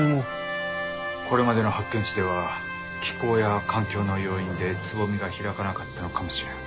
これまでの発見地では気候や環境の要因で蕾が開かなかったのかもしれん。